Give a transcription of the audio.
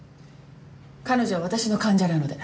彼女は私の患者なので。